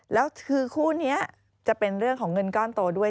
แล้วคือคู่นี้จะเป็นเรื่องของเงินก้อนโตด้วย